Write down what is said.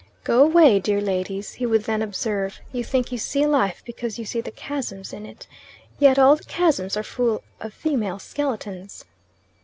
"Go away, dear ladies," he would then observe. "You think you see life because you see the chasms in it. Yet all the chasms are full of female skeletons."